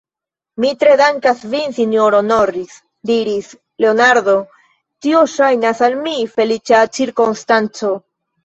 Mi tre dankas vin, sinjoro Norris, diris Leonardo; tio ŝajnas al mi feliĉa cirkonstanco.